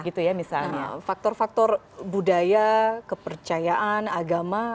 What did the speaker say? gitu ya misalnya faktor faktor budaya kepercayaan agama